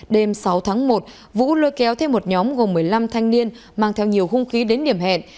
đêm sáu tháng một vũ lôi kéo theo một nhóm gồm một mươi năm thanh niên mang theo nhiều hôn khi đến điểm hẹn